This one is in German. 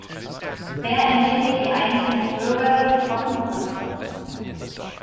Wer entschädigt die einzelnen Bürger, die betroffen sind?